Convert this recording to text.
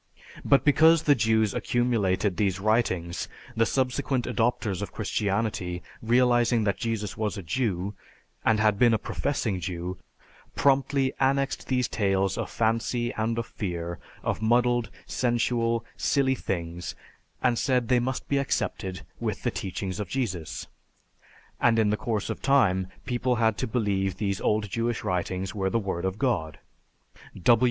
"But because the Jews accumulated these writings, the subsequent adopters of Christianity, realizing that Jesus was a Jew, and had been a professing Jew, promptly annexed these tales of fancy and of fear, of muddled, sensual, silly things and said they must be accepted with the teachings of Jesus. And in the course of time, people had to believe these old Jewish writings were the Word of God."